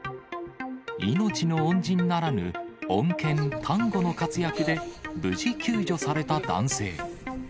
命の恩人ならぬ、恩犬、タンゴの活躍で、無事救助された男性。